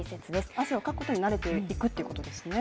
汗をかくことに慣れていくということですね。